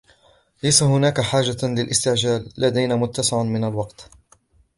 ليس هناك حاجة للاستعجال. لدينا متسع من الوقت.